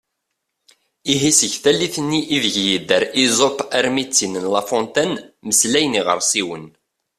Ihi seg tallit-nni ideg yedder Esope armi d tin n La Fontaine “mmeslayen iɣersiwen”.